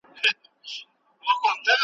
چي به چا ورکړل لوټونه غیرانونه.